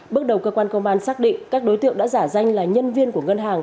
bước đầu cơ quan công an xác định các đối tượng đã giả danh là nhân viên của ngân hàng